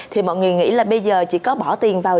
thì mọi người nghĩ là bây giờ chỉ có bỏ tiền vào